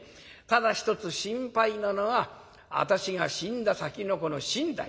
ただ一つ心配なのは私が死んだ先のこの身代。